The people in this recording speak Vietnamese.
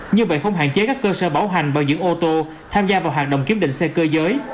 như vậy không hạn chế các cơ sở bảo hành bảo dưỡng ô tô tham gia vào hoạt động kiểm định xe cơ giới